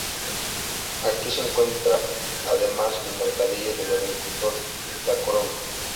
Aquí se encuentra además el Mercadillo del Agricultor de Tacoronte.